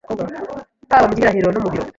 haba mu gihagararo no mu biro,